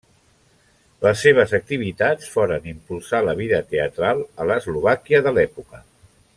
Les seves activitats foren impulsar la vida teatral a l'Eslovàquia de l'època.